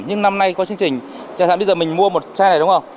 nhưng năm nay có chương trình chẳng hạn bây giờ mình mua một chai này đúng không